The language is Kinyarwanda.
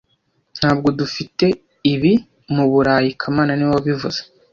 Ntabwo dufite ibi mu Burayi kamana niwe wabivuze